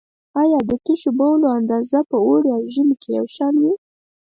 آیا د تشو بولو اندازه په اوړي او ژمي کې یو شان وي؟